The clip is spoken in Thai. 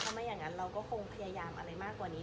ไม่อย่างนั้นเราก็คงพยายามอะไรมากกว่านี้